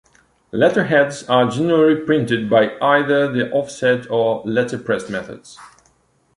Letterheads are generally printed by either the offset or letterpress methods.